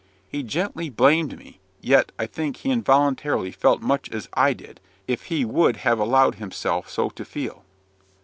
He gently blamed me, yet, I think, he involuntarily felt much as I did, if he would have allowed himself so to feel.